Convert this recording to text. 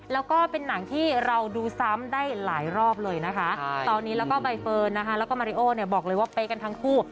แล้วก็เป็นหนังที่เราดูซ้ำได้หลายรอบเลยนะคะตอนนี้แล้วก็ใบเฟิร์นนะคะแล้วก็มาริโอเนี่ยบอกเลยว่าเป๊ะกันทั้งคู่